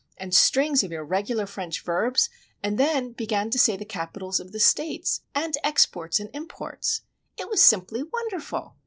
—and strings of irregular French verbs, and then began to say the Capitals of the States, and exports and imports! It was simply wonderful!